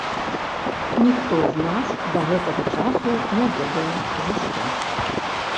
Ніхто з нас да гэтага часу не ведае за што.